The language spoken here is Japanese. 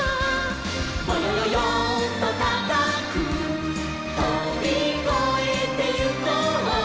「ぼよよよんとたかくとびこえてゆこう」